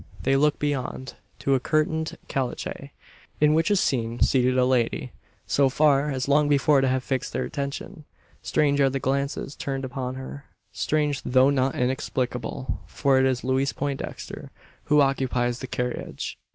They look beyond, to a curtained caleche, in which is seen seated a lady: so fair, as long before to have fixed their attention. Strange are the glances turned upon her; strange, though not inexplicable: for it is Louise Poindexter who occupies the carriage.